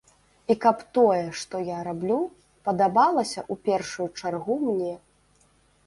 І каб тое, што я раблю, падабалася ў першую чаргу мне.